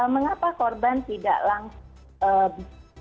mengapa korban tidak langsung